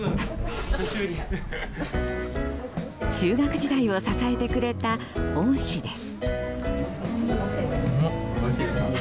中学時代を支えてくれた恩師です。